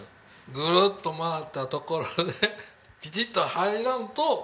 ぐるっと回ったところできちっと入らんと。